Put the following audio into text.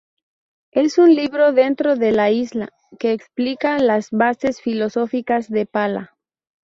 Es un libro dentro de "La isla" que explica las bases filosóficas de Pala.